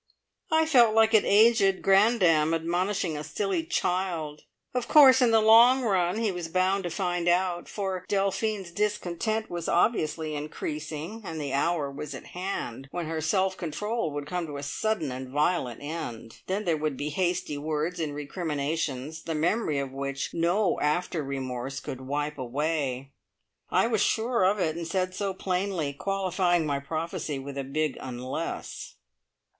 I felt like an aged grandam admonishing a silly child. Of course in the long run he was bound to find out, for Delphine's discontent was obviously increasing, and the hour was at hand when her self control would come to a sudden and violent end. Then there would be hasty words and recriminations, the memory of which no after remorse could wipe away. I was sure of it, and said so plainly, qualifying my prophecy with a big "unless."